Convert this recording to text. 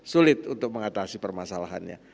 sulit untuk mengatasi permasalahannya